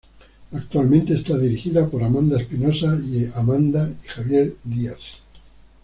Actualmente, está dirigida por Amanda Espinosa y Amanda y Javier Díaz.